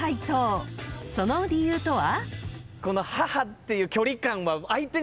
［その理由とは？］